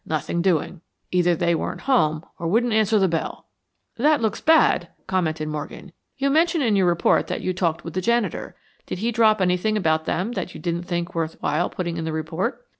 Nothing doing. Either they weren't home, or wouldn't answer the bell." "That looks bad," commented Morgan. "You mentioned in your report that you talked with the janitor. Did he drop anything about them that you didn't think worth while putting in the report?"